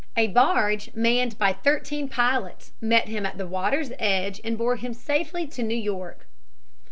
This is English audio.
A barge manned by thirteen pilots met him at the water's edge and bore him safely to New York.